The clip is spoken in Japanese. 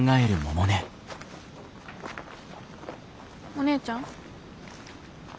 お姉ちゃん？